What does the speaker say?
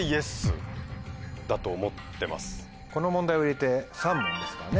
この問題を入れて３問ですからね